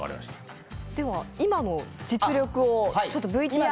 では、今の実力をＶＴＲで。